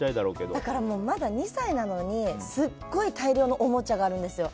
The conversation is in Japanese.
だからまだ２歳なのに大量のおもちゃがあるんですよ。